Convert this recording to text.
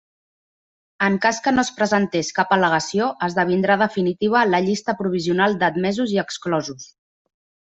En cas que no es presentés cap al·legació, esdevindrà definitiva la llista provisional d'admesos i exclosos.